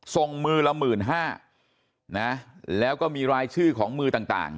ส่งมือละหมื่นห้านะแล้วก็มีรายชื่อของมือต่างต่าง